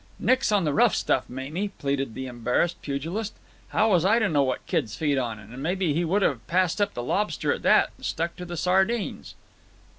"Nix on the rough stuff, Mamie," pleaded the embarrassed pugilist. "How was I to know what kids feed on? And maybe he would have passed up the lobster at that and stuck to the sardines."